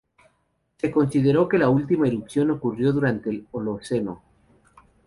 Se consideró que la última erupción ocurrió durante el Holoceno.